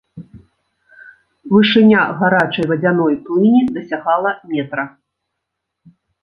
Вышыня гарачай вадзяной плыні дасягала метра.